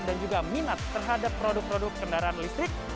dan juga minat terhadap produk produk kendaraan listrik